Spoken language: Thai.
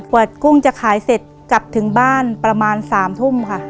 กว่ากุ้งจะขายเสร็จกลับถึงบ้านประมาณ๓ทุ่มค่ะ